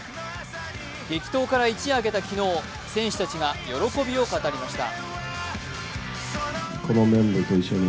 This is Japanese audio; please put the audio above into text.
激闘から一夜明けた昨日、選手たちが喜びを語りました。